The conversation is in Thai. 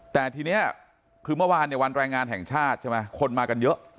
แต่ทีนี้คือเมื่อวานเนี่ยวันแรงงานแห่งชาติใช่ไหมคนมากันเยอะ